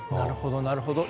なるほど。